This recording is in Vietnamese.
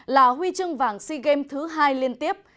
là huy chương vàng sea games thứ hai liên tiếp